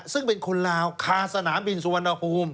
ซึ่งเป็นคนลาวคาสนามบินสุวรรณภูมิ